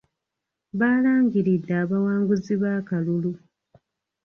Baalangiridde abawanguzi b'akalulu.